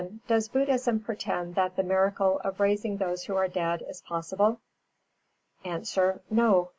Does Buddhism pretend that the miracle of raising those who are dead is possible? A. No.